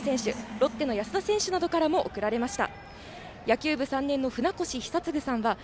ロッテの安田選手などからも送られました。